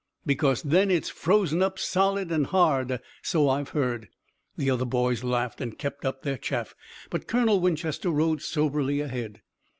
"Because then it's frozen up, solid and hard, so I've heard." The other boys laughed and kept up their chaff, but Colonel Winchester rode soberly ahead.